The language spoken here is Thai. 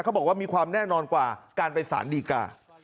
เขาบอกว่ามีความแน่นอนกว่าการไปสารดีกา